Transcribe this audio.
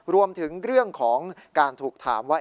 รวมถึงเรื่องของการถูกถามว่า